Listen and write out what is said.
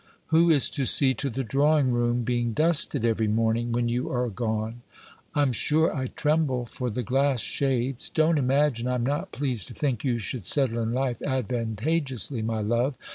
Who is to see to the drawing room being dusted every morning, when you are gone? I'm sure I tremble for the glass shades. Don't imagine I'm not pleased to think you should settle in life advantageously, my love.